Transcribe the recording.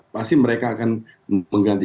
pasti mereka akan mengganti